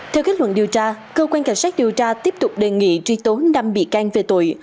theo kết luận điều tra cơ quan cảnh sát điều tra tiếp tục đề nghị truy tố năm bị can về tội